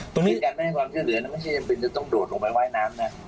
ตรงนี้การไม่ให้ความช่วยเหลือไม่ใช่จำเป็นจะต้องโดดลงไปว่ายน้ำนะ